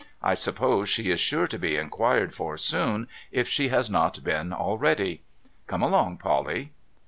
I suppose she is sure to be inquired for soon, if she has not been already. Come along, Polly.'